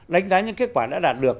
đánh giá những kết quả đã đạt được